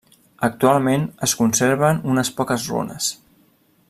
Actualment es conserven unes poques runes.